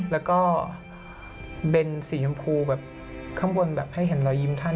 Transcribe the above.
แล้วก็เบนสีชมพูแบบข้างบนแบบให้เห็นรอยยิ้มท่าน